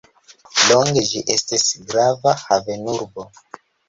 Longe ĝi estis grava havenurbo.